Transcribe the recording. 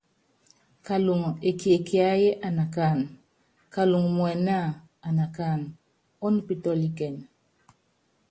Kaluŋo ekie kiáyí anakáan, kalúŋu muɛnɛ́a, anakáana, ɔ́nupítɔ́likɛn.